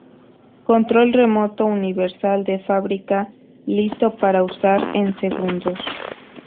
Control remoto universal de fábrica listo para usar en segundos.